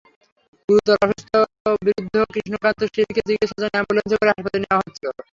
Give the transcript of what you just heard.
গুরুতর অসুস্থ বৃদ্ধ কৃষ্ণকান্ত শীলকে চিকিৎসার জন্য অ্যাম্বুলেন্সে করে হাসপাতালে নেওয়া হচ্ছিল।